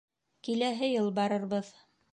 Киләһе йыл барырбыҙ.